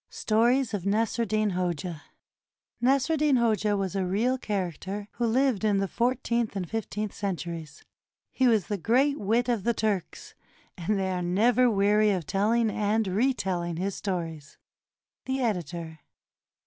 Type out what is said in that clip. STORIES OF NASR EDDIN HOJA [Nasr eddin Hoja was a real character, who lived in the fourteenth and fifteenth centuries. He was the great wit of the Turks, and they are never weary of telling and reteUing his stories. The Editor.